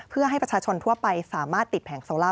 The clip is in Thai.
เพื่อให้ประชาชนทั่วไปสามารถติดแผงโซล่า